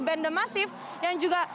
band the massive yang juga